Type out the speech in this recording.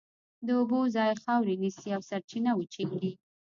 د اوبو ځای خاورې نیسي او سرچینه وچېږي.